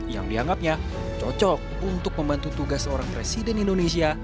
yang dianggapnya cocok untuk membantu tugas seorang presiden indonesia